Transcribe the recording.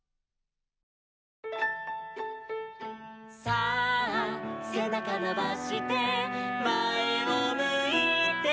「さあせなかのばしてまえをむいて」